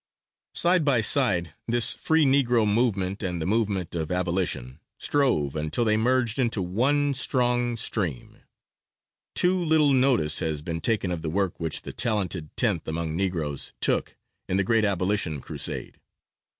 Side by side this free Negro movement, and the movement for abolition, strove until they merged into one strong stream. Too little notice has been taken of the work which the Talented Tenth among Negroes took in the great abolition crusade.